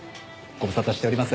ご無沙汰しております。